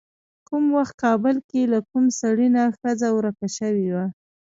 کوم وخت کابل کې له کوم سړي نه ښځه ورکه شوې وه.